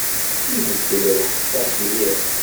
Ibeddel lḥeṭṭa-s mliḥ.